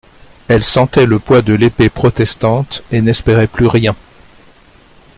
Elle sentait le poids de l'épée protestante et n'espérait plus rien.